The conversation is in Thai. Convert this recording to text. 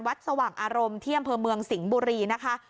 สว่างอารมณ์ที่อำเภอเมืองสิงห์บุรีนะคะ